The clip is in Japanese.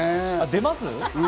出ます？